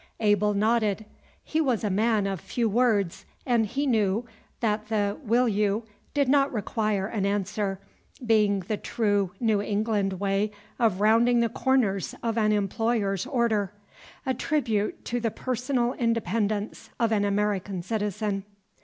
Abel nodded. He was a man of few words, and he knew that the "will you" did not require an answer, being the true New England way of rounding the corners of an employer's order, a tribute to the personal independence of an American citizen.